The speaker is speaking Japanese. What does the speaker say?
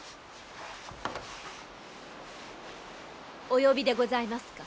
お呼びでございますか。